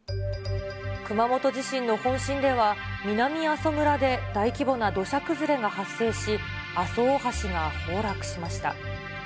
熊本地震の本震では、南阿蘇村で大規模な土砂崩れが発生し、阿蘇大橋が崩落しました。